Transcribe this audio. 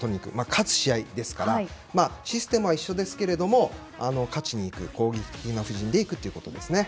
勝つ試合ですからシステムは一緒ですけども勝ちに行く、攻撃的な布陣で行くということですね。